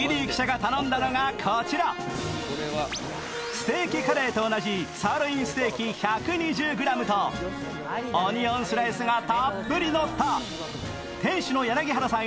ステーキカレーと同じサーロインステーキ１２０ｇとオニオンスライスがたっぷりのった店主の柳原さん